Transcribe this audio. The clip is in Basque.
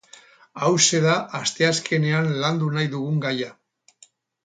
Hauxe da asteazkenean landu nahi dugun gaia.